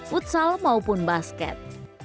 futsal maupun basket